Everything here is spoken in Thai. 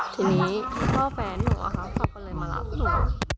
ทีนี้พ่อแฟนหนูอะค่ะเขาก็เลยมารับหนู